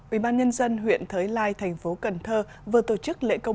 ubnd huyện thới lai tp cnh vừa tổ chức lễ công tác